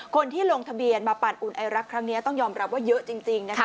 คนที่ลงทะเบียนมาปั่นอุ่นไอรักครั้งนี้ต้องยอมรับว่าเยอะจริงนะคะ